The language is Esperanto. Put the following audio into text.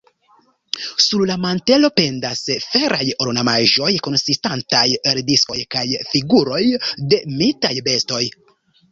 Sur la mantelo pendas feraj ornamaĵoj konsistantaj el diskoj kaj figuroj de mitaj bestoj.